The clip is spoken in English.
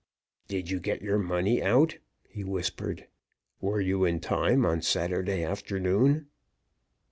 "Did you get your money out?" he whispered. "Were you in time on Saturday afternoon?"